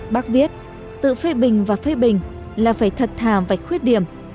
bác viết tự phê bình và phê bình là phải thật thà vạch khuyết điểm